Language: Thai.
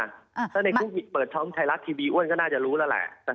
ถ้าในคุกมีเปิดช่องไทรลักษณ์ทีวีอ้วนก็น่าจะรู้แล้วแหละ